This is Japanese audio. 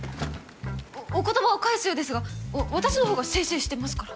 おお言葉を返すようですが私のほうが清々してますから。